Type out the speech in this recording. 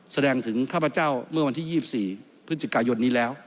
แสดงถึงข้าพเจ้าเมื่อวันที่๒๔พฤศจิกายนนี้แล้ว